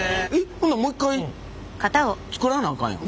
ほなもう一回作らなあかんやん。